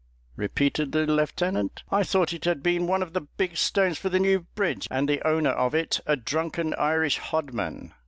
repeated the lieutenant, 'I thought it had been one of the big stones for the new bridge, and the owner of it a drunken Irish hodman.'